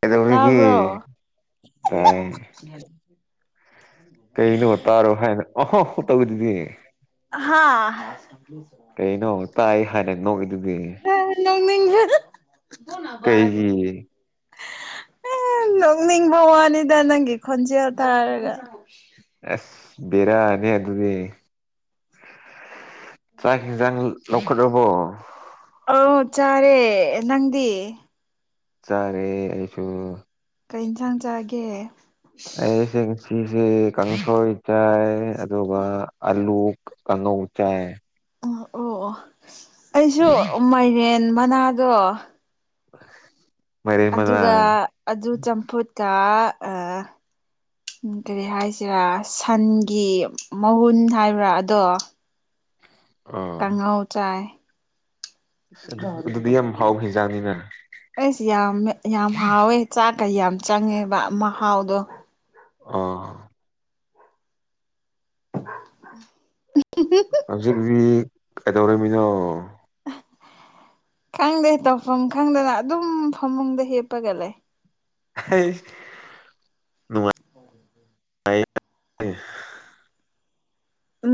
ꯀꯩꯗꯧꯔꯤꯒꯦ ꯇꯕ꯭ꯔꯣ ꯇꯥꯏ ꯀꯩꯅꯣ ꯇꯥꯔꯣ ꯍꯥꯏꯅ ꯑꯍ ꯇꯧꯗꯗꯤ ꯍꯥꯥ ꯀꯩꯩꯅ ꯇꯥꯏ ꯍꯥꯏꯔꯦꯟ ꯅ ꯅꯧꯃꯤ ꯀꯩꯒꯤ ꯅꯣꯛꯅꯤꯡꯕ ꯋꯥꯅꯤꯗ ꯅꯪꯒꯤ ꯈꯣꯟꯖꯦꯜ ꯇꯥꯔꯒ ꯑꯁ ꯔꯥꯅꯦ ꯑꯗꯨ ꯑꯗꯨꯗꯤ ꯆꯥꯛ ꯍꯤꯡꯖꯥꯡ ꯂꯧꯈꯠꯂꯕꯣ ꯑ ꯆꯥꯔꯦ ꯅꯪꯗꯤ ꯆꯔꯦꯁꯨ ꯀꯩ ꯌꯦꯟꯁꯥꯡ ꯆꯥꯒꯦ ꯑꯦꯁꯦꯁꯤ ꯁꯤ ꯀꯥꯡꯁꯣꯏ ꯆꯥꯏ ꯑꯗꯨꯒ ꯑꯂꯨ ꯀꯥꯡꯉꯧ ꯆꯥꯏ ꯑꯣ ꯑꯣ ꯑꯣ ꯑꯩꯁꯨ ꯃꯥꯏꯔꯦꯟ ꯃꯅꯥꯗꯣ ꯍ ꯑꯗꯨꯒ ꯑꯗꯨ ꯆꯝꯐꯨꯠꯀ [inaudible] ꯀꯔꯤ ꯍꯥꯏꯁꯤꯔꯥ ꯁꯟꯒꯤ ꯃꯒꯨꯟ ꯍꯥꯏꯕ꯭ꯔꯥ ꯑꯗꯣ ꯑꯥ ꯇꯉꯎ ꯆꯥꯏ ꯑꯗꯨ ꯑꯗꯨꯗꯤ ꯌꯥꯝ ꯍꯥꯎꯕ ꯍꯦꯟꯖꯥꯡꯅꯤꯅ ꯑꯩꯁ ꯌꯥꯝ ꯌꯥꯝ ꯍꯥꯎꯋꯦ ꯆꯥꯛ ꯀ ꯌꯥꯝ ꯆꯪꯉꯦꯕ ꯃꯍꯥꯎꯗꯣ ꯑꯥ [inaudible] ꯀꯩꯗꯧꯔꯃꯤꯅꯣ ꯈꯪꯗꯦ ꯇꯧꯐꯝ ꯈꯪꯗꯅ ꯑꯗꯨꯝ ꯐꯃꯨꯡꯗ ꯍꯦꯞꯄꯒ ꯂꯩ ꯅꯅꯨꯡꯃꯥꯏ ꯑꯦ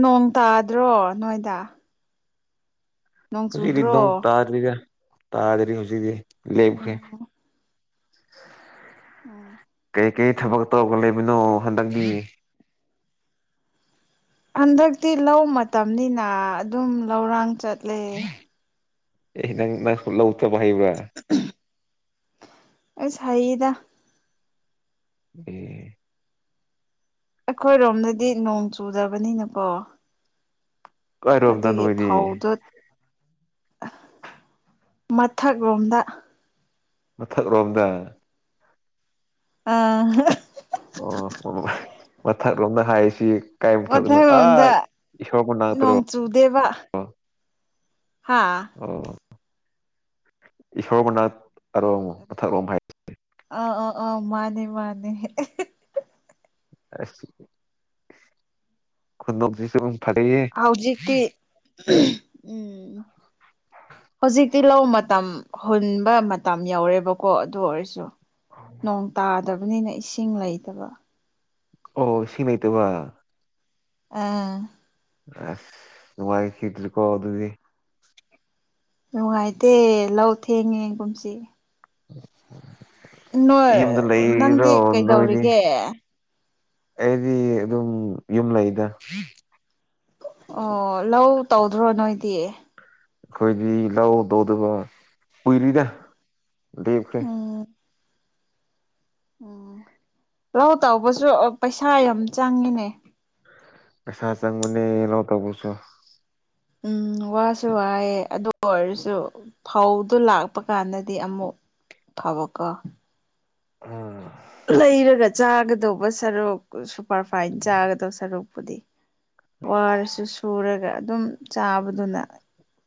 ꯅꯣꯡ ꯇꯥꯗ꯭ꯔꯣ ꯅꯣꯏꯗ ꯅꯣꯡ ꯍꯧꯨꯖꯤꯗꯤ ꯆꯨꯗ꯭ꯔꯣ ꯏꯗꯣꯡ ꯇꯥꯔꯔꯤꯗ ꯇꯥꯗꯔꯤ ꯍꯧꯨꯖꯤꯗꯤ ꯂꯩꯦꯕꯦ ꯑꯣ ꯑꯣ ꯀꯩꯀꯩ ꯊꯕꯛ ꯇꯧꯔꯒ ꯂꯩꯕꯅꯣ ꯍꯟꯗꯛꯤ ꯍꯟꯗꯛꯇꯤ ꯂꯧ ꯃꯇꯝꯅꯤꯅ ꯑꯗꯨꯝ ꯂꯧꯔꯥꯡ ꯆꯠꯂꯦ ꯑꯦ ꯅꯪ ꯅꯪ ꯂꯧꯛꯇꯕ ꯍꯩꯕ꯭ꯔꯥ ꯁꯍꯤꯗ ꯎꯝ ꯑꯩꯈꯣꯏꯔꯣꯝꯗꯗꯤ ꯅꯣꯡ ꯆꯨꯗꯕꯅꯤꯅꯀꯣ ꯀꯥꯏꯔꯣꯝꯗ ꯑꯗꯨꯒꯤ ꯅꯣꯏꯗꯤ ꯐꯧꯗꯨ ꯃꯊꯛ ꯂꯣꯝꯗ ꯃꯊꯛ ꯔꯣꯝꯗꯥ ꯑꯥ ꯑꯣ ꯃꯊꯛꯂꯣꯝꯗ ꯍꯥꯏꯁꯤ ꯃꯊꯪꯔꯣꯝꯗ ꯃꯅꯥꯛꯇꯔꯣ ꯅꯣꯡ ꯆꯨꯗꯦꯕ ꯍꯥ ꯏꯁꯣꯔꯣꯒꯅꯥꯊ ꯎꯝ ꯑ ꯑꯥ ꯑ ꯃꯥꯅꯦ ꯃꯥꯅꯦ ꯈꯨꯟꯗꯁꯤꯁꯨꯨꯝ ꯍꯧꯖꯤꯛꯇꯤ ꯎꯝ ꯍꯧꯖꯤꯛꯇꯤ ꯂꯧ ꯃꯇꯝ ꯍꯨꯟꯕ ꯃꯇꯝ ꯌꯧꯔꯦꯕꯀꯣ ꯑꯗꯨ ꯑꯣꯏꯔꯁꯨ ꯅꯣꯡ ꯇꯥꯗꯕꯅꯤꯅ ꯏꯁꯤꯡ ꯂꯩꯇꯕ ꯑꯣ ꯁꯤꯃꯩ ꯇ ꯋꯥ ꯑꯥ ꯑꯁꯃꯒꯤ ꯈꯇꯂꯤ ꯀꯣ ꯑꯗꯨꯗꯤ ꯅꯨꯡꯉꯥꯏꯇꯦ ꯂꯧ ꯊꯦꯡꯉꯦ ꯀꯨꯝꯁꯤ ꯅꯣꯏ ꯌꯗ ꯂꯩꯔꯣ ꯅꯪꯗꯤ ꯅꯣꯏꯅꯤ ꯀꯩꯗꯧꯔꯤꯒꯦ ꯑꯩꯗꯤ ꯑꯗꯨꯝ ꯌꯨꯝ ꯂꯩꯗ ꯑꯣ ꯂꯧ ꯇꯧꯗ꯭ꯔꯣ ꯅꯣꯏꯗꯤ ꯈꯣꯏꯗꯤ ꯂꯑꯣ ꯗꯨꯗ ꯋꯥ ꯎꯏꯂꯤꯗ ꯗꯞꯈꯦ ꯎꯝ ꯎꯝ ꯂꯥꯎ ꯇꯥꯎꯕꯁꯨ ꯄꯩꯁꯥ ꯌꯥꯝ ꯆꯪꯉꯤꯅꯦ ꯄꯩꯁꯥ ꯆꯪꯕꯅꯤꯩꯅꯣ ꯇꯧꯧꯕꯁꯨ ꯎꯝ ꯋꯥꯁꯨ ꯋꯥꯑꯌꯦꯦ ꯑꯗꯨ ꯑꯣꯏꯔꯁꯨ ꯐꯧꯗꯨ ꯂꯥꯛꯄ ꯀꯥꯟꯗꯗꯤ ꯑꯃꯨꯛ ꯊꯥꯕꯀ ꯎꯝ ꯂꯩꯔꯒ ꯆꯥꯒꯗꯧꯕ ꯁꯔꯨꯛ ꯁꯨꯄꯔ ꯐꯥꯏꯟ ꯆꯥꯒꯗꯧꯕ ꯁꯔꯨꯛꯄꯨꯗꯤ ꯋꯥꯔꯁꯨ ꯁꯨꯔꯒ ꯑꯗꯨꯝ ꯆꯥꯕꯗꯨꯅ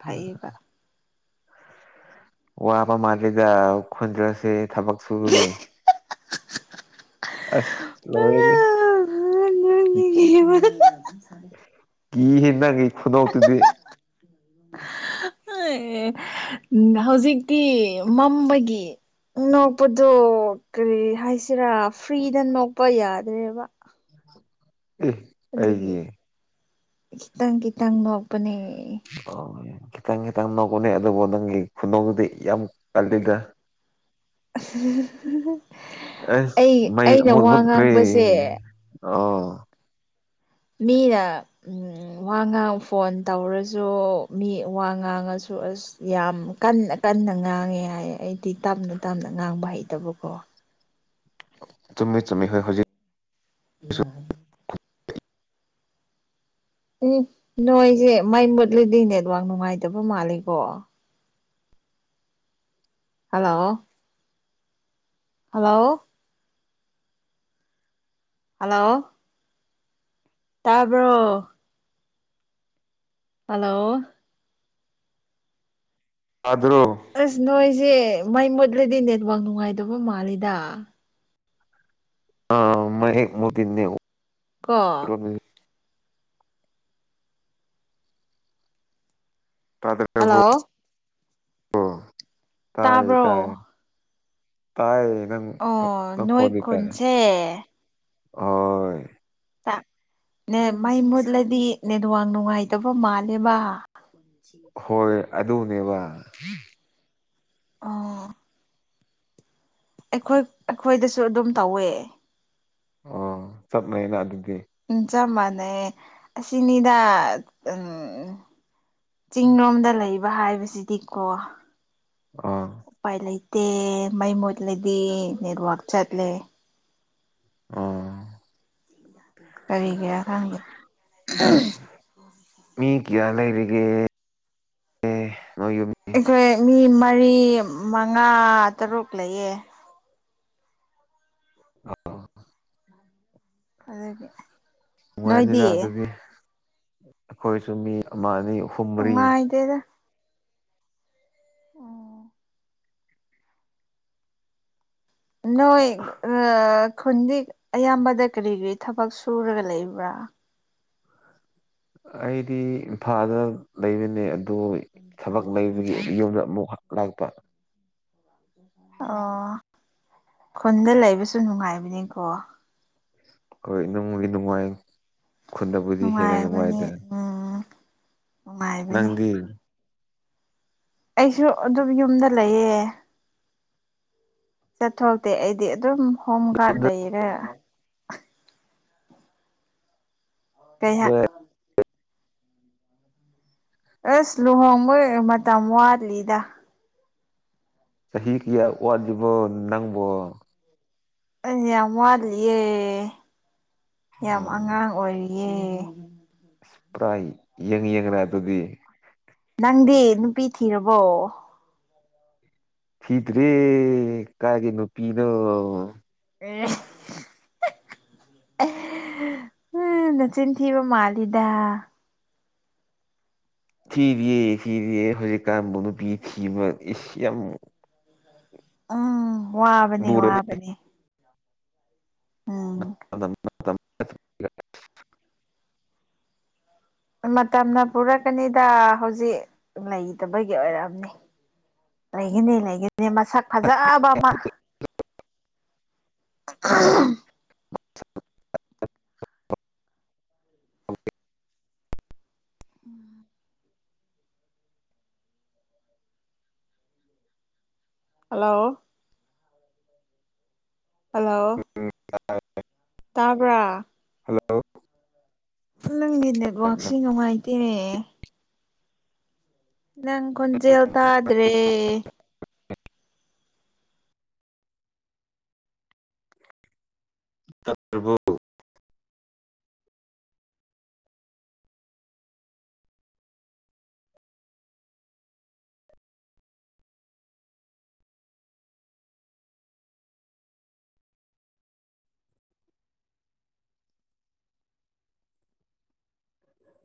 ꯐꯩꯌꯦꯕ ꯋꯥꯕ ꯃꯥꯜꯂꯤꯗ ꯈꯟꯗ꯭ꯔꯁꯤ ꯊꯕꯛ ꯁꯨꯕꯒꯤ ꯑꯁꯉ ꯀꯤ ꯍꯦꯟꯅꯒꯤ ꯈꯨꯗꯧꯇꯨꯗꯤ ꯎꯝ ꯍꯧꯖꯤꯛꯇꯤ ꯃꯝꯕꯒꯤ ꯅꯣꯛꯄꯗꯣ ꯀꯔꯤ ꯍꯥꯏꯁꯤꯔꯥ ꯐ꯭ꯔꯤꯗ ꯅꯣꯛꯄ ꯌꯥꯗ꯭ꯔꯦꯕ ꯏ ꯑꯩꯒꯤ ꯀꯈꯤꯇꯪ ꯀꯤꯇꯪ ꯂ ꯃꯅꯤ ꯑꯣ ꯈꯤꯇꯪ ꯈꯤꯇꯪ ꯅꯒꯅꯦ ꯑꯗꯨꯕꯨ ꯅꯪꯒꯤ ꯈꯨꯗꯧꯗꯨꯗꯤ ꯌꯥꯝ ꯀꯜꯂꯤꯗ [inaudible] ꯑꯦ ꯑꯩ ꯃꯩ ꯑꯩꯅ ꯃ ꯋꯥ ꯃꯨꯠꯈꯔꯤ ꯉꯥꯡꯕꯁꯦ ꯑꯣ ꯃꯤꯅ ꯋꯥ ꯉꯥꯡ ꯐꯣꯟ ꯇꯧꯔꯁꯨ ꯃꯤ ꯋꯥ ꯉꯥꯡꯉꯁꯨ ꯑ ꯑꯁ ꯌꯥꯝ ꯀꯟꯅ ꯀꯟꯅ ꯉꯥꯡꯉꯦ ꯍꯥꯏꯌꯦ ꯑꯩ ꯗꯤ ꯇꯞꯅ ꯇꯞꯅ ꯉꯥꯡꯕ ꯍꯩꯇꯕꯀꯣ ꯆꯨꯝꯃꯤ ꯆꯨꯝꯃꯤ ꯍꯣꯏ ꯍꯧꯖꯤꯛ ꯌꯥ ꯎꯝ ꯅꯣꯏꯁꯦ ꯃꯥꯏ ꯃꯨꯠꯂꯗꯤ ꯅꯦꯠꯋꯥꯛ ꯅꯨꯡꯉꯥꯏꯇꯕ ꯃꯥꯜꯂꯤꯀꯣ ꯍꯜꯂꯣ ꯍꯜꯂꯣ ꯍꯜꯂꯣ ꯇꯥꯕ꯭ꯔꯣ ꯍꯜꯂꯣ ꯐꯥꯗ꯭ꯔꯣ ꯁꯦ ꯃꯩ ꯃꯨꯠꯂꯗꯤ ꯅꯦꯠꯋꯥꯛ ꯅꯨꯡꯉꯥꯏꯗꯕ ꯃꯥꯜꯂꯤꯦꯗ ꯑ ꯃ ꯍꯦꯛ ꯃꯗꯤꯟꯅꯦꯦ ꯀꯣ ꯇꯗꯕꯣ ꯍꯜꯂꯣ ꯇꯥꯏ ꯇꯥꯕ꯭ꯔꯣ ꯇꯥꯏ ꯇꯥꯏ ꯪ ꯑꯣ ꯅꯣꯏ ꯈꯣꯗꯇꯥꯦ ꯈꯨꯟꯁꯦ ꯅ ꯃꯥꯏ ꯃꯨꯠꯂꯗꯤ ꯅꯦꯋꯥꯡ ꯅꯨꯡꯉꯥꯏꯇꯕ ꯃꯥꯜꯂꯦꯕ ꯁꯤ ꯁ ꯍꯣꯏ ꯑꯗꯨꯅꯦꯕ ꯑꯥ ꯑꯩꯈꯣꯏ ꯑꯩꯈꯣꯏꯗꯁꯨ ꯑꯗꯨꯝ ꯇꯧꯋꯦ ꯑ ꯆꯞꯅꯩꯅ ꯑꯗꯨꯗꯤ ꯆ ꯃꯅꯦ ꯑꯁꯤ ꯑꯁꯤꯅꯤꯗꯥ ꯎꯝ ꯆꯤꯡꯂꯣꯝꯗ ꯂꯩꯕ ꯍꯥꯏꯕꯁꯤꯗꯤꯀꯣ ꯑꯥ ꯇꯦ ꯃꯩ ꯃꯣꯠꯂꯗꯤ ꯅꯦꯠꯋꯥꯛ ꯆꯠꯂꯦ ꯑꯥ ꯀꯔꯤ ꯀꯌꯥ ꯈꯪꯗꯦ ꯃꯤ ꯀ꯭ꯌꯥ ꯂꯩꯒ ꯑꯩꯈꯣꯏ ꯃꯤ ꯃꯔꯤ ꯃꯉꯥ ꯇꯔꯨꯛ ꯂꯩꯌꯦ ꯑ ꯑꯗꯨꯗꯒꯤꯦ ꯅꯨꯡꯉꯥꯏꯅꯤꯗ ꯑꯗꯨꯗꯤ ꯑꯩꯈꯣꯏꯁꯨ ꯃꯤ ꯑꯃ ꯑꯅꯤ ꯑꯍꯨꯝ ꯎ ꯃꯔꯤ ꯏꯗꯦꯗ ꯑ [unintelligible] [inaudible] ꯅꯣꯏꯣꯏ ꯑ ꯈꯨꯟꯗꯤ ꯑꯌꯥꯝꯕꯗ ꯀꯔꯤ ꯀꯔꯤ ꯊꯕꯛ ꯁꯨꯔꯒ ꯂꯩꯕ꯭ꯔꯥ ꯑꯩꯗꯤ ꯏꯝꯐꯥꯜꯗ ꯂꯩꯕꯅꯦ ꯑꯗꯨ ꯊꯕꯛ ꯂꯩꯕꯒꯤ ꯌꯨꯝꯗ ꯑꯃꯨꯛ ꯂꯥꯛꯄ ꯑꯣ ꯈꯨꯟꯗ ꯂꯩꯕꯁꯨ ꯅꯨꯡꯉꯥꯏꯕꯅꯦꯀꯣ ꯍꯣꯏ ꯅꯨꯡꯗꯤ ꯅꯨꯡꯉꯥꯏ ꯈꯨꯟꯗꯕꯨꯗꯤ ꯍꯦꯟꯅ ꯅꯨꯡꯉꯥꯏꯕꯅꯤ ꯅꯨꯡꯉꯥꯏꯗ ꯎꯝ ꯅꯨꯡꯉꯥꯏꯕꯅꯤ ꯅꯪꯗꯤ ꯑꯩꯁꯨ ꯑꯗꯨꯝ ꯌꯨꯝꯗ ꯂꯩꯌꯦ ꯆꯠꯊꯣꯛꯇꯦ ꯑꯩꯗꯤ ꯑꯗꯨꯝ ꯍꯣꯝ ꯒꯥꯔꯗ ꯂꯩꯔꯦ ꯀꯩꯍꯥꯛ ꯑꯁ ꯂꯨꯍ ꯃꯣꯏ ꯃꯊꯃ ꯋꯥꯔ ꯂꯤꯗꯥ ꯆꯍꯤꯍꯤ ꯀꯌꯥ ꯑꯣꯖꯕꯣ ꯅꯪꯕꯣ ꯑꯩ ꯌꯥꯝ ꯋꯥꯠꯂꯤꯌꯦꯦ ꯌꯥꯝ ꯎꯝ ꯑꯉꯥꯡ ꯑꯣꯏꯔꯤꯌꯦ ꯌꯦ [unintelligible] [inaudible] ꯑꯁ ꯄꯨꯔꯥ ꯌꯦꯡ ꯌꯦꯡꯅ ꯑꯗꯨꯗꯤ ꯅꯪꯗꯤ ꯅꯨꯄꯤ ꯊꯤꯔꯕꯣ ꯊꯤꯗ ꯔꯦ ꯀꯥꯒꯤꯅꯨꯄꯤꯤꯅꯣ ꯑꯦ [unintelligible] [inaudible] ꯎꯝ ꯅꯆꯤꯟ ꯊꯤꯕ ꯃꯥꯜꯂꯤꯗ ꯊꯤꯔ ꯌꯦ ꯊꯤꯔꯤꯦ ꯍꯖꯤꯦ ꯀꯥ ꯃꯅꯨ ꯄꯤ ꯊꯤ ꯑꯦꯁꯤ ꯌꯥꯝ ꯎꯝ ꯋꯥꯕꯅꯦ ꯂꯨꯔꯕꯅꯤ ꯋꯥꯕꯅꯦ ꯎꯝ [unintelligible] [inaudible] ꯃꯇꯝꯅ ꯄꯨꯔꯛꯀꯅꯤꯗ ꯍꯧꯖꯤꯛ ꯂꯩꯇꯕꯒꯤ ꯑꯣꯏꯔꯛꯑꯝꯅꯤ ꯂꯩꯈꯤꯅꯤ ꯂꯩꯈꯤꯅꯤ ꯃꯁꯛ ꯐꯖꯕ ꯑꯃ [unintelligible] [inaudible] ꯎꯝ ꯍꯜꯂꯣ ꯍꯜꯂꯣ ꯑ [unintelligible] [inaudible] ꯇꯥꯕ꯭ꯔꯥ ꯍꯜꯂꯣ ꯅꯪꯒꯤ ꯅꯦꯠꯋꯥꯛꯁꯤ ꯅꯨꯡꯉꯥꯏꯇꯦꯔꯦ ꯅꯪ ꯈꯨꯟꯖꯦꯦꯜꯇꯥꯗ꯭ꯔꯦ ꯇꯕꯨ